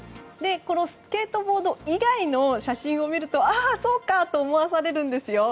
スケートボード以外の写真を見るとそうかと思わされるんですよ。